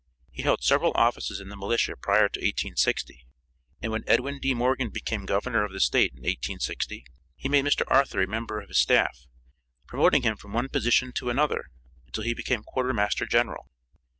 He held several offices in the militia prior to 1860, and when Edwin D. Morgan became governor of the State in 1860, he made Mr. Arthur a member of his staff, promoting him from one position to another until he became quarter master general.